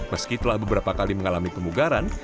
meski telah beberapa kali mengalami pemugaran